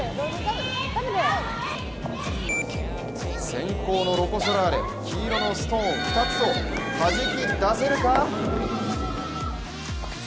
先攻のロコ・ソラーレ、黄色のストーン１つをはじき出せるか。